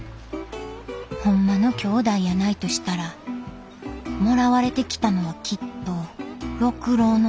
ホンマのきょうだいやないとしたらもらわれてきたのはきっと六郎の方。